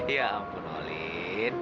ya ampun olin